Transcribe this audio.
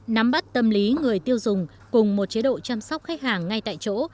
nắm bắt tâm lý người tiêu dùng cùng một chế độ chăm sóc khách hàng ngay tại chỗ